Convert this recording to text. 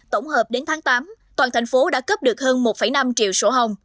tổng hợp đến tháng tám toàn thành phố đã cấp được hơn một năm triệu sổ hồng